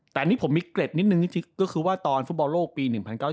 แต่อันนี้ผมมีเกร็ดนิดนึงก็คือว่าตอนฟุตบอลโลกปี๑๐๙